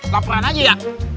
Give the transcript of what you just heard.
laporan aja ya